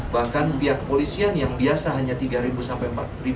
bahkan pihak polisian yang biasa hanya tiga sampai empat